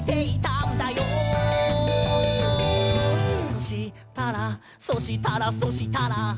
「そしたら、そしたら、そしたら」